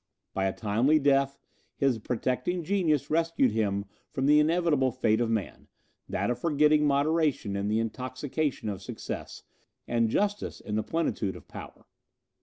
By a timely death, his protecting genius rescued him from the inevitable fate of man that of forgetting moderation in the intoxication of success, and justice in the plenitude of power.